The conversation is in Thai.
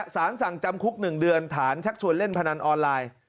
สารสั่งจำคุก๑เดือนฐานชักชวนเล่นพนันออนไลน์